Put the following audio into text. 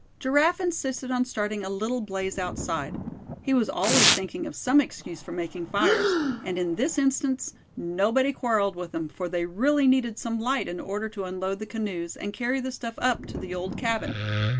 Giraffe insisted on starting a little blaze outside. He was always thinking of some excuse for making fires; and in this instance nobody quarreled with him, for they really needed some light in order to unload the canoes, and carry the stuff up to the old cabin.